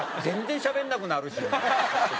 全然しゃべらなくなるし。